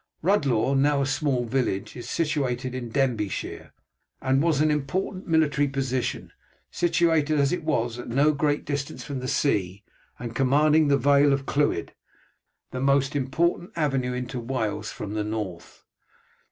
Rhuddlaw, now a small village, is situated in Denbighshire, and was an important military position, situated as it was at no great distance from the sea, and commanding the Vale of Clwyd, the most important avenue into Wales from the north.